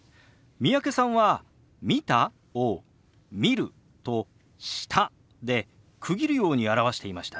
三宅さんは「見た？」を「見る」と「した」で区切るように表していましたね。